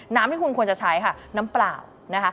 น้ำที่คุณควรจะใช้ค่ะน้ำเปล่านะคะ